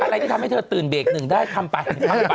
อะไรที่ทำให้เธอตื่นเบรกหนึ่งได้ทำไปทำไป